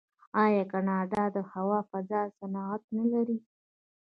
آیا کاناډا د هوا فضا صنعت نلري؟